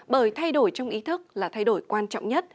bởi thay đổi trong ý thức là thay đổi quan trọng nhất